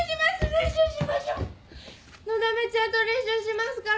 練習しましょ。のだめちゃんと練習しますから。